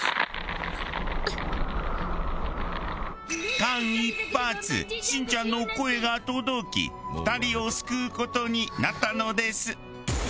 間一髪しんちゃんの声が届き２人を救う事になったのです。